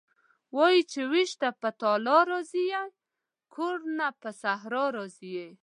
وايي چې وېش نه په تالا راضي یې کور نه په صحرا راضي یې..